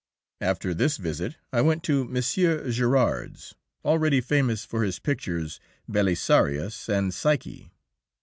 After this visit I went to M. Gérard's, already famous for his pictures, "Belisarius" and "Psyche."